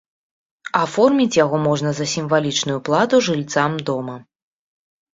Аформіць яго можна за сімвалічную плату жыльцам дома.